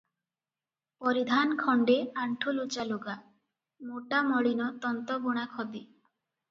ପରିଧାନ ଖଣ୍ଡେ ଆଣ୍ଠୁଲୁଚା ଲୁଗା, ମୋଟା ମଳିନ ତନ୍ତ ବୁଣା ଖଦି ।